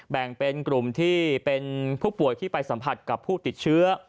แบ่งเป็นกลุ่มที่เป็นผู้ป่วยที่ไปสัมผัสกับผู้ติดเชื้อ